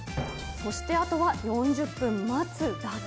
そして、あとは４０分待つだけ。